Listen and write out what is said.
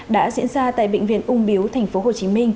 đã diễn ra tại bệnh viện ung biếu tp hcm